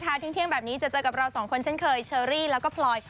เที่ยงแบบนี้จะเจอกับเราสองคนเช่นเคยเชอรี่แล้วก็พลอย